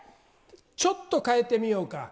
ちょっと変えてみようか。